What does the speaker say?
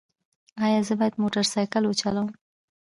ایا زه باید موټر سایکل وچلوم؟